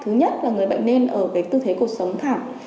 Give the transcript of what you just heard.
thứ nhất là người bệnh nên ở cái tư thế cuộc sống thẳng